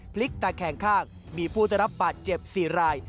พลิกตะแคงข้างมีผู้ได้รับบาดเจ็บ๔ราย